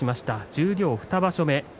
十両２場所目。